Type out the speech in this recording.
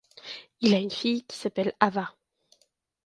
Il a une fille qui s'appelle Ava.